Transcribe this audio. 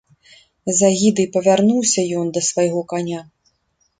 З агідай павярнуўся ён да свайго каня.